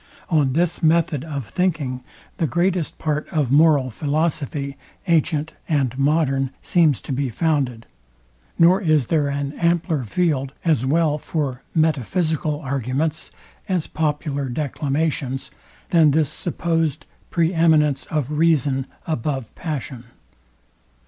On this method of thinking the greatest part of moral philosophy, antient and modern, seems to be founded; nor is there an ampler field, as well for metaphysical arguments, as popular declamations, than this supposed pre eminence of reason above passion.